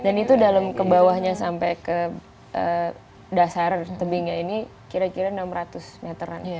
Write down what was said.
dan itu ke bawahnya sampai ke dasar tebingnya ini kira kira enam ratus meteran